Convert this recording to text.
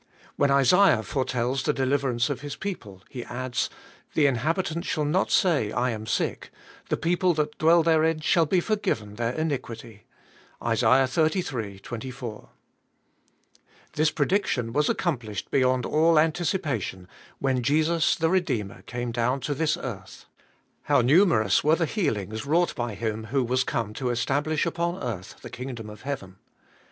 When Isaiah foretells the deliveranoe of his people, lie adds, "Ttae inhabitant —— ^^B^B^BJ MTmE HBALIKG. shall not say, I am sick; the people thai dwell therein shall be forgiven their in iqudty" (Isa, xxxiii. 24). This prediction was accomplished be yond all anticipation when Jesus the Re deemer caiine down to this earth. How numerous were the healings wrought bj Him who was come to establish upon earth the kingdom of heaven!